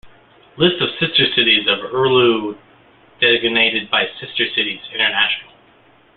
List of sister cities of Orlu, designated by Sister Cities International.